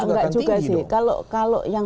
juga kan tinggi nggak juga sih kalau yang